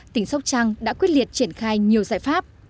tỉnh sóc trăng đã quyết liệt triển khai nhiều giải pháp